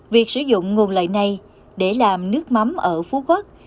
việc sử dụng nguồn lợi này để làm nước mắm ở phú quốc